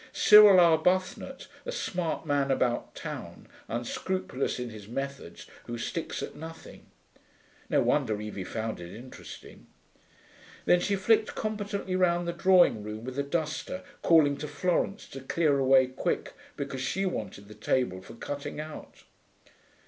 Cyril Arbuthnot, a smart man about town, unscrupulous in his methods, who sticks at nothing.' No wonder Evie found it interesting. Then she flicked competently round the drawing room with a duster, calling to Florence to clear away quick, because she wanted the table for cutting out.